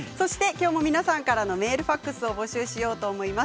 皆さんからのメールファックスも募集しようと思います。